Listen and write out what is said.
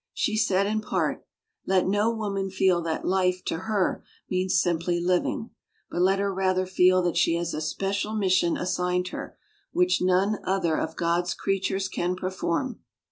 She said in part: "Let no woman feel that life to her means simply living ; but let her rather feel that she has a special mission assigned her, which none other of God's creatures can perform.